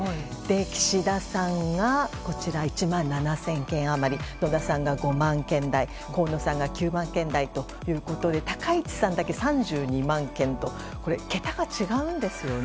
岸田さんが１万７０００件余り野田さんが５万件台河野さんが９万件台ということで高市さんだけ３２万件と桁が違うんですよね。